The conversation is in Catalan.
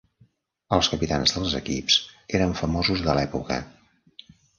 Els capitans dels equips eren famosos de l'època.